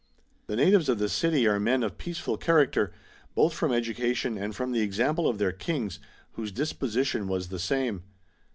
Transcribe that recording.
The natives of the city are men of peaceful character, both from education and from the example of their kings, whose disposition was the same.